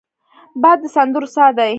باد د سندرو سا دی